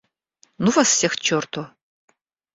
— Ну вас всех к черту!